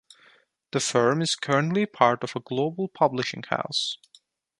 The firm is currently part of a global publishing house.